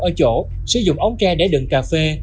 ở chỗ sử dụng ống tre để đựng cà phê